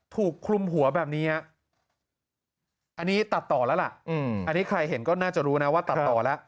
ถูกคลุมหัวแบบนี้ฮะอันนี้ตัดต่อแล้วล่ะอันนี้ใครเห็นก็น่าจะรู้นะว่าตัดต่อแล้ว